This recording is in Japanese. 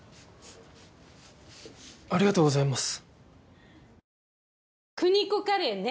ありがとうございます。